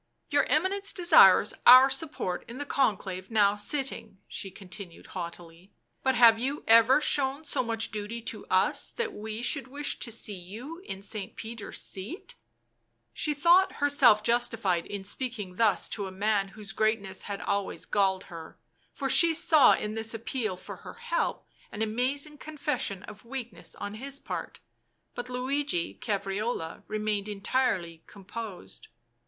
" Your Eminence desires our support in the Conclave now sitting," she continued haughtily. " But have you G ) Digitized by UNIVERSITY OF MICHIGAN Original from UNIVERSITY OF MICHIGAN 194 BLACK MAGIC ever shown so much duty to us, that we should wish to see you in St. Peter's seat?" She thought herself justified in speaking thus to a man whose greatness had always galled her, for she saw in this appeal for her help an amazing confession of weakness on his part. But Luigi Caprarola remained entirely composed.